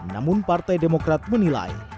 namun partai demokrat menilai